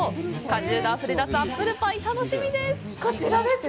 果汁があふれ出すアップルパイ、楽しみです！